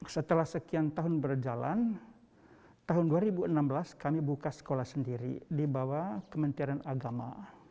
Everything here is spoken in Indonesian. setelah sekian tahun berjalan tahun dua ribu enam belas kami buka sekolah sendiri di bawah kementerian agama